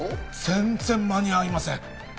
全然間に合いません